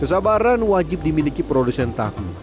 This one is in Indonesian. kesabaran wajib dimiliki produsen tahu